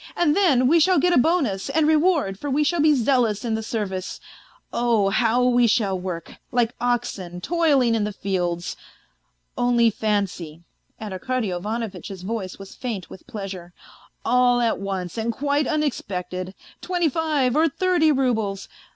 And then we shall get a bonus and reward, for we shall be zealous in the service oh ! how we shall work, like oxen toiling in the fields. ... Only fancy," and Arkady Ivanovitch's voice was faint with pleasure, "all at once and quite unexpected, twenty five or thirty roubles. ..